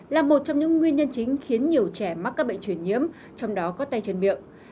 là một trong những nguyên nhân chính khiến nhiều trẻ mắc các bệnh truyền nhiễm trong đó có tay chân miệng